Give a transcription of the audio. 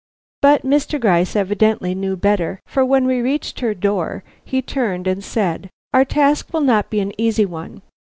But Mr. Gryce evidently knew better, for when we reached her door he turned and said: "Our task will not be an easy one.